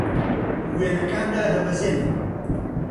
وێنەکان دادەبەزێنم.